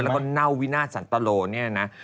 และเน่าวินาสัตตาโรเนี่ยนะ